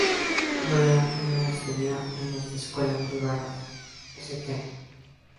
Brian Eno estudió en una escuela privada, St.